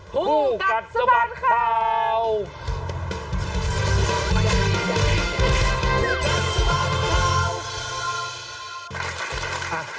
พุ่งกัทสมัครครับ